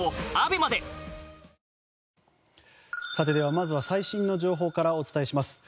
まずは最新の情報からお伝えします。